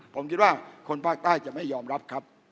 ผมคิดว่าคนภาคใต้จะไม่ยอมรับครับ